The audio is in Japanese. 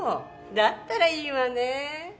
だったらいいわね。